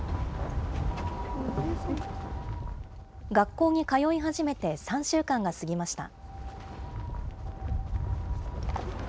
学校に通い始めて３週間が過ぎました。